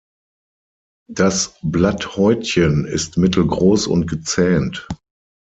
Das Blatthäutchen ist mittelgroß und gezähnt.